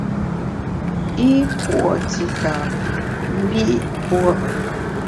I kùo’ tita mbi’ kùo’.